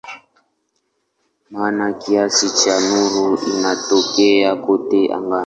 Maana kiasi cha nuru inatokea kote angani.